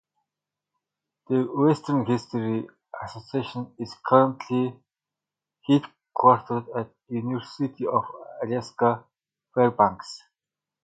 The Western History Association is currently headquartered at the University of Alaska, Fairbanks.